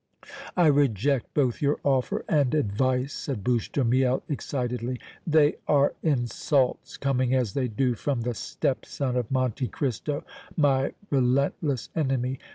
"I reject both your offer and advice!" said Bouche de Miel, excitedly. "They are insults, coming as they do from the stepson of Monte Cristo, my relentless enemy!